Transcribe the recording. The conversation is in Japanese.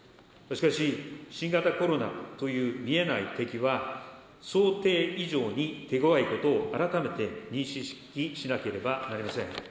しかし、新型コロナという見えない敵は、想定以上に手ごわいことを改めて認識しなければなりません。